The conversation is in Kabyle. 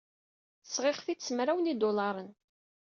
Sɣiɣ-t-id s mraw n yidulaṛen.